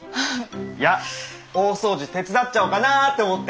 いや大掃除手伝っちゃおうかなって思って。